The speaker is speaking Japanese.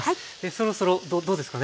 そろそろどうですかね。